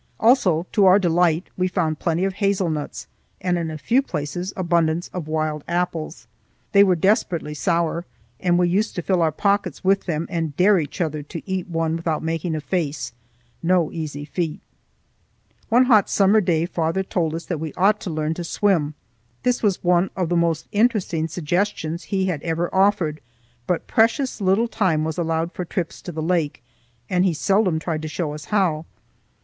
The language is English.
Also, to our delight, we found plenty of hazelnuts, and in a few places abundance of wild apples. They were desperately sour, and we used to fill our pockets with them and dare each other to eat one without making a face,—no easy feat. One hot summer day father told us that we ought to learn to swim. This was one of the most interesting suggestions he had ever offered, but precious little time was allowed for trips to the lake, and he seldom tried to show us how.